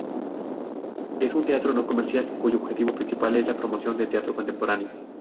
Es un teatro no comercial, cuyo objetivo principal es la promoción del teatro contemporáneo.